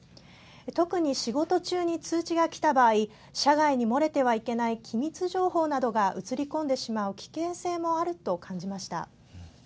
特に、仕事中に通知がきた場合社外に漏れてはいけない機密情報などが写り込んでしまう危険性もあると感じました。